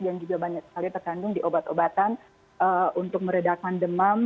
yang juga banyak sekali terkandung di obat obatan untuk meredakan demam